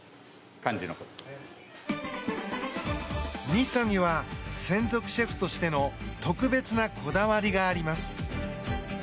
西さんには専属シェフとしての特別なこだわりがあります。